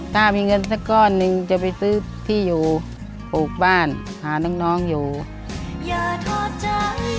ถ้ามีเงินสักก้อนหนึ่งจะไปซื้อที่อยู่ปลูกบ้านหาน้องอยู่